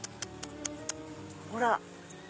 ほら。